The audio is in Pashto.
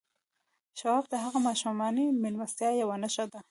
شواب ته هغه ماښامنۍ مېلمستیا یوه نښه وه